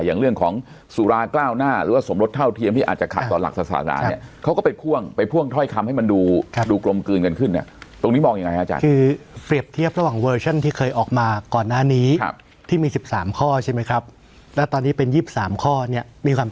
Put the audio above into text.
อย่างเรื่องของศุลาเกล้าหน้าหรือว่าสมรถเท่าเทียมที่อาจจะขัดต่อหลักศรัสระเนี่ย